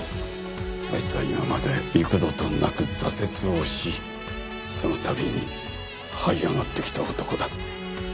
あいつは今まで幾度となく挫折をしその度に這い上がってきた男だ。